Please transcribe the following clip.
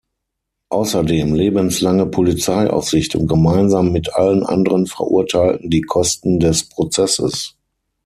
Außerdem lebenslange Polizeiaufsicht und gemeinsam mit allen anderen Verurteilten die Kosten des Prozesses.